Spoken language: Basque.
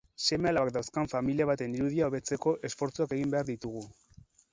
Seme-alabak dauzkan familia baten irudia hobetzeko esfortzuak egin behar ditugu.